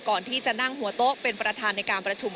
ก่อนที่จะนั่งหัวโต๊ะเป็นประธานในการประชุม